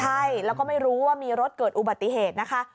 ใช่แล้วก็ไม่รู้ว่ามีรถเกิดอุบัติเหตุนะคะ